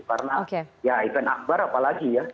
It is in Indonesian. karena ya event akbar apalagi ya